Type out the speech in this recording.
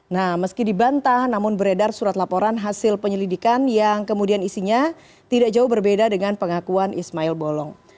nah meski dibantah namun beredar surat laporan hasil penyelidikan yang kemudian isinya tidak jauh berbeda dengan pengakuan ismail bolong